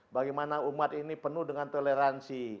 bagaimana umat ini penuh dengan toleransi